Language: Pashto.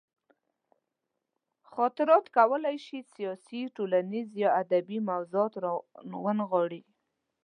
خاطرات کولی شي سیاسي، ټولنیز یا ادبي موضوعات راونغاړي.